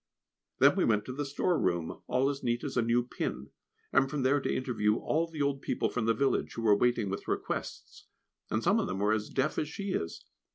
Then we went to the storeroom, all as neat as a new pin; and from there to interview all the old people from the village, who were waiting with requests, and some of them were as deaf as she is.